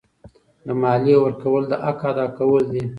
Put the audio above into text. د مالیې ورکول د حق ادا کول دي.